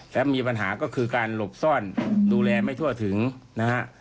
และมีปัญหาก็คือการหลบซ่อนดูแลไม่ทั่วถึงนะฮะ